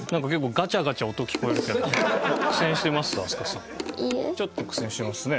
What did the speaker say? なんか結構ちょっと苦戦してますね。